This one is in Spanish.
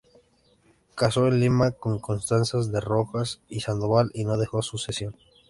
Casó en Lima con Constanza de Rojas y Sandoval, y no dejó sucesión.